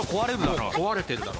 もう壊れてるだろ。